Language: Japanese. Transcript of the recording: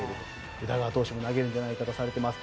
宇田川投手も投げるんじゃないかとされています。